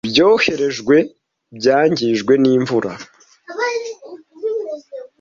Ibyoherejwe byangijwe nimvura.